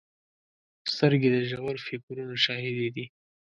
سترګې د ژور فکرونو شاهدې دي